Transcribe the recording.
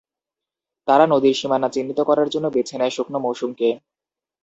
তারা নদীর সীমানা চিহ্নিত করার জন্য বেছে নেয় শুকনো মৌসুমকে।